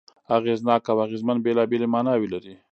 اغېزناک او اغېزمن بېلابېلې ماناوې لري.